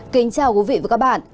kính chào quý vị và các bạn